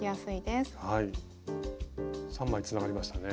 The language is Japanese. ３枚つながりましたね。